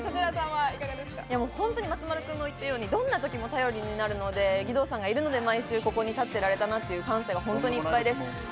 本当に松丸君の言っているように、どんな時も頼りになるので義堂さんがいるので毎週ここに立ってられたなと感謝がいっぱいです。